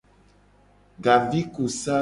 Gavikusa.